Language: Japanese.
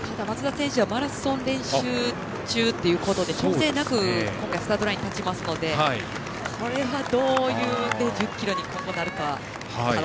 ただ松田選手はマラソン練習中ということで調整なくスタートラインに立ちますのでこれは、どういう１０ｋｍになるか。